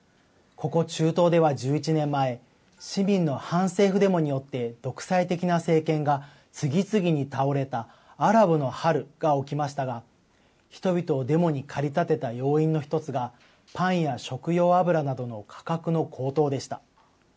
ここ中東では１１年前、市民の反政府デモによって独裁的な政権が次々に倒れたアラブの春が起きましたが、人々をデモに駆り立てた要因の一つが、パンや食用油などの価格の高騰でした。